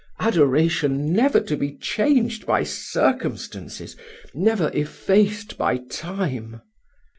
adoration never to be changed by circumstances never effaced by time."